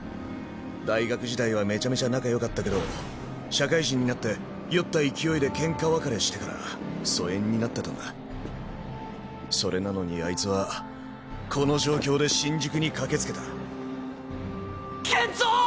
大学時代はめちゃめちゃ仲よかったけど社会人になって酔った勢いでケンカ別れしてから疎遠になってたんだそれなのにあいつはこの状況で新宿に駆けつけたケンチョ！